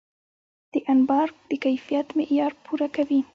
دا انبار د کیفیت معیار پوره کوي.